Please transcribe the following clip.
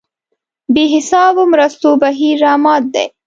بې حسابو مرستو بهیر رامات دی.